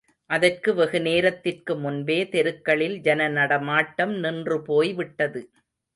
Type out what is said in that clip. அதற்கு வெகுநேரத்திற்கு முன்பே தெருக்களில் ஜனநடமாட்டம் நின்று போய்விட்டது.